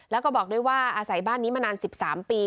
แล้วก็บอกด้วยว่าอาศัยบ้านนี้มานาน๑๓ปี